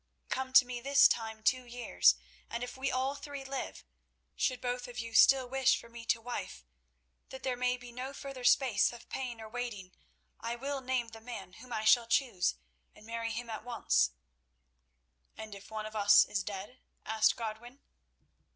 Come to me this time two years, and if we all three live, should both of you still wish for me to wife, that there may be no further space of pain or waiting, I will name the man whom I shall choose, and marry him at once." "And if one of us is dead?" asked Godwin.